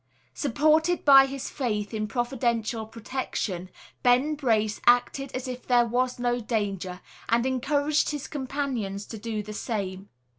Supported by his faith in providential protection, Ben Brace acted as if there was no danger; and encouraged his companions to do the same.